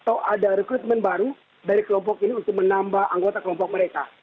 atau ada rekrutmen baru dari kelompok ini untuk menambah anggota kelompok mereka